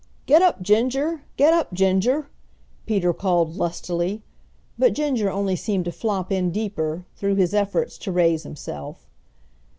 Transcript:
"Get up, Ginger! Get up, Ginger!" Peter called lustily, but Ginger only seemed to flop in deeper, through his efforts to raise himself.